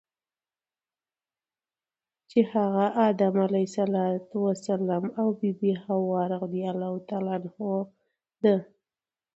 چی هغه ادم علیه السلام او بی بی حوا رضی الله عنها ده .